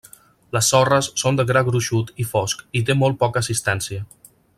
Les sorres són de gra gruixut i fosc i té molt poca assistència.